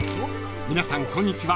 ［皆さんこんにちは